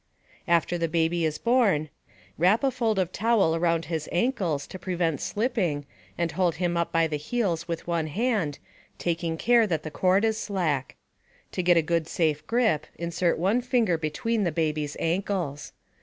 After the baby is born, wrap a fold of towel around his ankles to prevent slipping and hold him up by the heels with one hand, taking care that the cord is slack. To get a good safe grip, insert one finger between the baby's ankles.